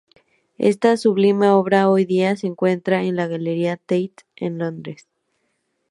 Esta sublime obra hoy día se encuentra en la Galería Tate, en Londres.